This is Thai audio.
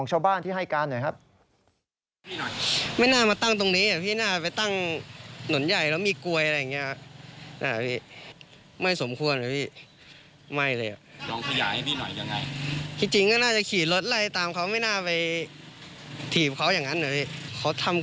ฮือนะฮะฟังเสียงของชาวบ้านที่ให้กันหน่อยครับ